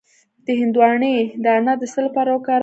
د هندواڼې دانه د څه لپاره وکاروم؟